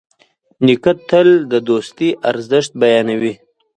نیکه تل د دوستي ارزښت بیانوي.